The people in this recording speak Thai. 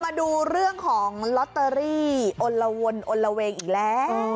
มาดูเรื่องของลอตเตอรี่อนละวนอนละเวงอีกแล้ว